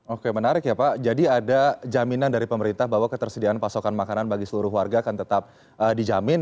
oke menarik ya pak jadi ada jaminan dari pemerintah bahwa ketersediaan pasokan makanan bagi seluruh warga akan tetap dijamin